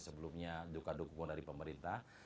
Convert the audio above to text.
sebelumnya dukungan dari pemerintah